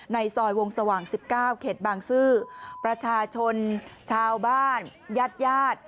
ในซอยวงสว่าง๑๙เขตบางซื่อประชาชนชาวบ้านญาติญาติ